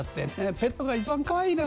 「ペットが一番かわいいのよ。